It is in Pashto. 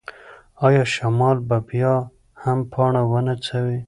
ایا شمال به بیا هم پاڼه ونڅوي؟